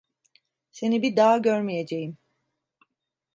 Seni bir daha görmeyeceğim.